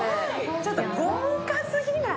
ちょっと豪華すぎない？